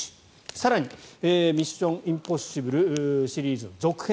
更に「ミッション：インポッシブル」シリーズの続編